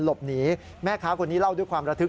หลบหนีแม่ค้าคนนี้เล่าด้วยความระทึก